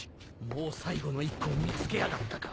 もう最後の１個を見つけやがったか。